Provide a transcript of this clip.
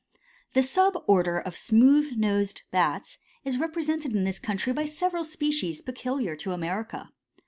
The sub order of smooth nosed Bats is represented in this country by several species peculiar to America.